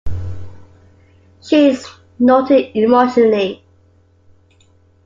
She snorted emotionally.